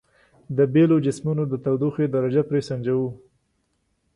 د بیلو جسمونو د تودوخې درجه پرې سنجوو.